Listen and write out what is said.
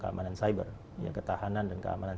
keamanan cyber ketahanan dan keamanan